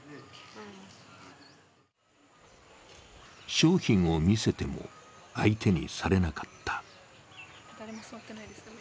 商品を見せても相手にされなかった。